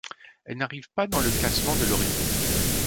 Elle n'arrive pas dans le classement de l'Oricon.